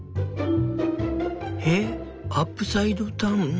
えっアップサイドダウン？